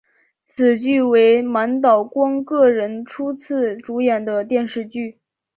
此剧为满岛光个人初次主演的电视剧。